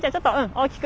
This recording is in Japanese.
大きく